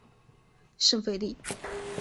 圣费利。